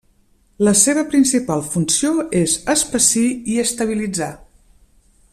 La seva principal funció és espessir i estabilitzar.